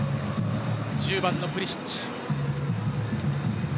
１０番のプリシッチ。